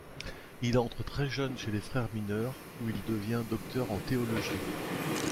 Il entre très jeune chez les frères mineurs où il devient docteur en théologie.